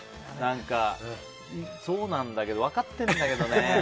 そうなんだけど分かってるんだけどね。